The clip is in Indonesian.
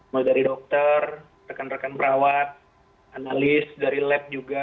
mulai dari dokter rekan rekan perawat analis dari lab juga